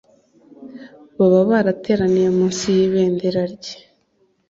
baba barateraniye munsi y'ibendera rye.